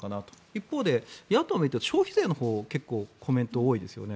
一方で野党を見ていると消費税のほうのコメントが多いですよね。